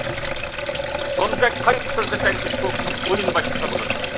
پومزەك قايسى قىزغا تەگسە، شۇ قىز ئويۇن باشلىقى بولىدۇ.